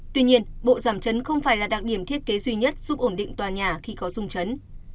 tuy nhiên bộ giảm trấn không phải là đặc điểm thiết kế duy nhất giúp ổn định tòa nhà khi có dung trấn